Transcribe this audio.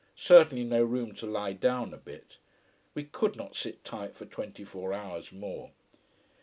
Certainly no room to lie down a bit. We could not sit tight for twenty four hours more.